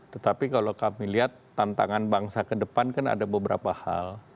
tetapi kalau kami lihat tantangan bangsa ke depan kan ada beberapa hal